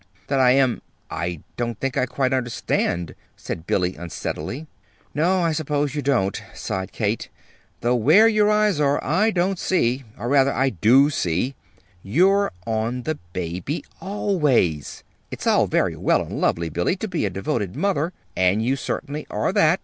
"That, I am I don't think I quite understand," said Billy, unsteadily. "No, I suppose you don't," sighed Kate, "though where your eyes are, I don't see or, rather, I do see: they're on the baby, always. It's all very well and lovely, Billy, to be a devoted mother, and you certainly are that.